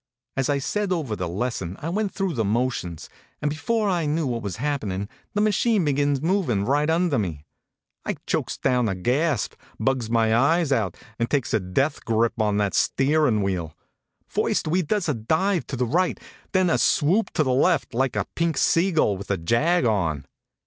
As I said over the lesson I went through the motions, and before I knew what was happenin the machine begins movin right under me. I chokes down a gasp, bugs my HONK, HONK! eyes out, and takes a death grip on that steerin wheel. First we does a dive to the right, then a swoop to the left, like a pink seagull with a jag on.